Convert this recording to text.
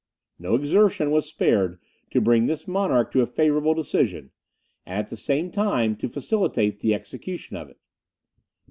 No exertion was spared to bring this monarch to a favourable decision, and at the same time to facilitate the execution of it.